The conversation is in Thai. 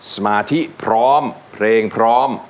สมาธิพร้อมเพลงพร้อม